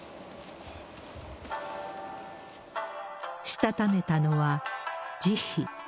したためたのは、慈悲。